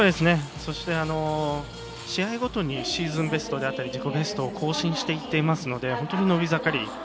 そして試合ごとにシーズンベストであったり自己ベストを更新していますので本当に伸び盛り。